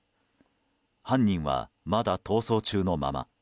犯人は、まだ逃走中のまま。